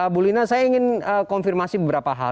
bu lina saya ingin konfirmasi beberapa hal